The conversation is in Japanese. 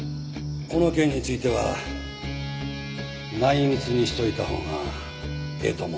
この件については内密にしといたほうがええと思うよ。